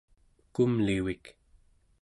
kumlivik